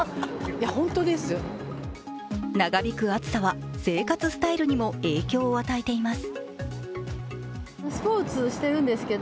長引く暑さは生活スタイルにも影響を与えています。